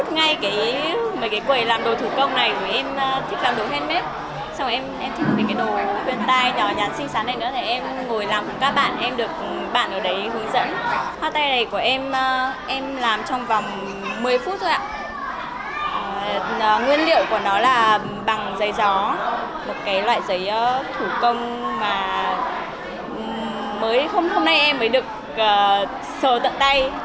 nguyên liệu của nó là bằng giấy gió một loại giấy thủ công mà hôm nay em mới được sờ tận tay